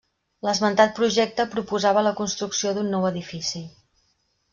L'esmentat projecte proposava la construcció d'un nou edifici.